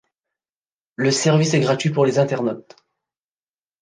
Le service est gratuit pour les internautes.